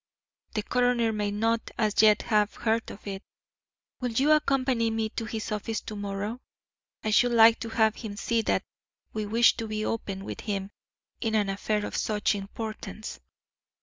The coroner may not as yet have heard of it. Will you accompany me to his office to morrow? I should like to have him see that we wish to be open with him in an affair of such importance."